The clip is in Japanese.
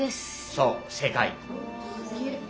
そう正解。